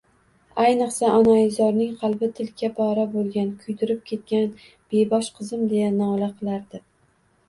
Ayniqsa, onaizorning qalbi tilka-pora bo`lgan, kuydirib ketgan bebosh qizim, deya nola qilardi